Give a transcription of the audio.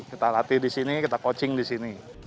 kita latih di sini kita coaching di sini